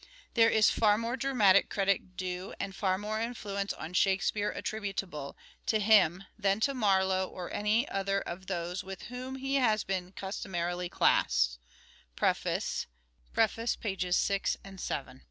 . (There is) far more dramatic credit due and far more influence on Shakespeare attributable, to him than to Marlowe or any other of those with whom he has been customarily classed " (Preface vi and vii).